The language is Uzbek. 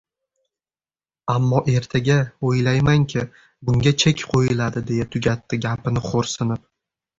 Ammo ertaga, o`ylaymanki, bunga chek qo`yiladi, deya tugatdi gapini xo`rsinib